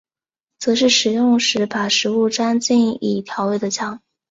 则是食用时把食物蘸进已调味的酱。